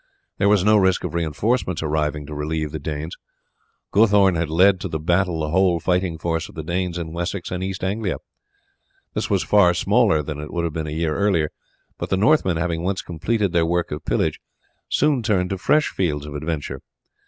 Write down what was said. There was no risk of reinforcements arriving to relieve the Danes. Guthorn had led to the battle the whole fighting force of the Danes in Wessex and East Anglia. This was far smaller than it would have been a year earlier; but the Northmen, having once completed their work of pillage, soon turned to fresh fields of adventure.